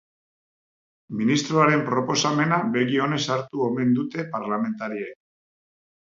Ministroaren proposamena begi onez hartu omen dute parlamentariek.